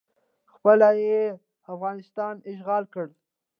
خپله یې افغانستان اشغال کړ